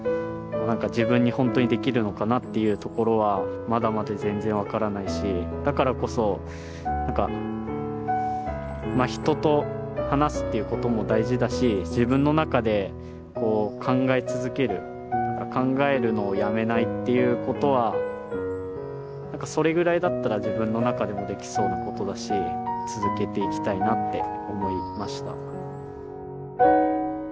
自分に本当にできるのかなっていうところはまだまだ全然分からないしだからこそ何か人と話すっていうことも大事だし自分の中で考え続ける考えるのをやめないっていうことはそれぐらいだったら自分の中でもできそうなことだし続けていきたいなって思いました。